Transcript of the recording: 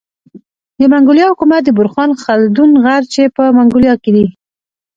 د منګولیا حکومت د بورخان خلدون غر چي په منګولیا کي